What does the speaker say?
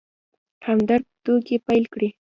همدرد ټوکې پيل کړې.